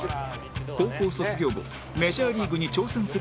高校卒業後メジャーリーグに挑戦する事を表明